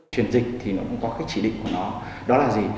truyền dịch thì nó cũng có cái chỉ định của nó đó là gì